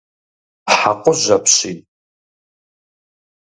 Хьэкъужь апщий!